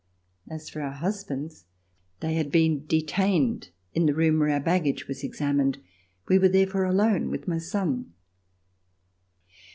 As for our husbands, they had been de tained in the room where our baggage was examined. We were therefore alone with my son.